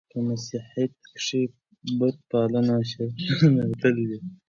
په مسیحیت کښي بت پالنه او شرک راننوتل دي.